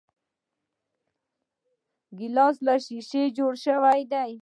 ګیلاس له شیشې جوړ شوی وي.